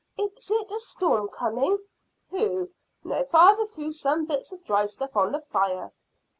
Is it a storm coming?" "Pooh! No. Father threw some bits of dry stuff on the fire."